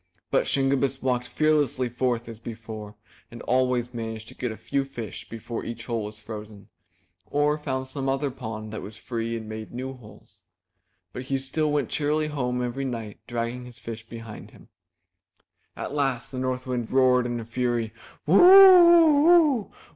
But Shingebiss walked fearlessly forth as before, and always managed to get a few fish before each hole was frozen, or found some other pond that was free and made new holes. So he still went cheerily home every night dragging his fish behind him. At last the North Wind roared in a fury! *'Woo oo oo!